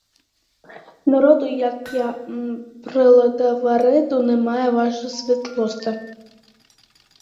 Народу, як і пролетаріату, немає, ваша світлосте.